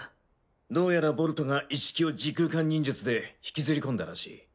どうやらボルトがイッシキを時空間忍術で引きずり込んだらしい。